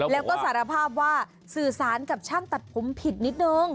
แล้วก็สารภาพว่าสื่อสารกับช่างตัดผมผิดนิดนึง